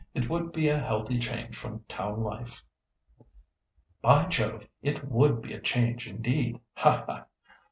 It would be a healthy change from town life." "By Jove! It would be a change indeed! Ha, ha!